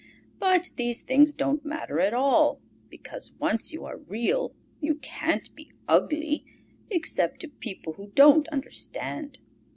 But these things don't matter at all, because once you are Real you can't be ugly, except to people who don't understand."